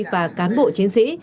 và cán bộ chiến sĩ